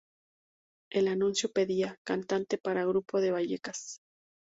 El anuncio pedía "cantante para grupo de Vallecas.